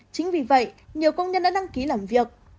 chính vì vậy nhiều công nhân đã đăng ký làm việc